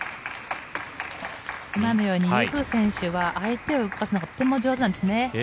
今のように相手を動かすのがとても上手なんですね。